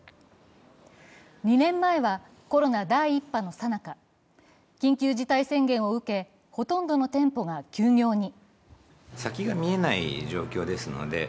２年前はコロナ第１波のさなか、緊急事態宣言を受けほとんどの店舗が休業に。